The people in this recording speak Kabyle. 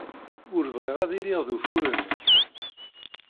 Ur bɣiɣ ad iliɣ d ufur-nnek.